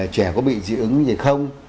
trẻ có bị dưỡng gì không